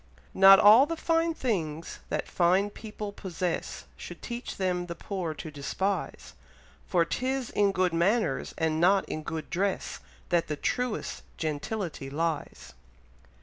Not all the fine things that fine people possess, Should teach them the poor to despise; For 'tis in good manners, and not in good dress, That the truest gentility lies.